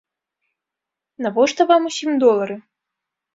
Навошта вам усім долары?